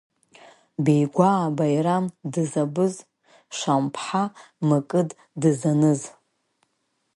Беигәаа Баирам дызабыз, шамԥҳа Мыкыд дызаныз.